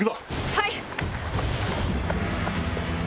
はい！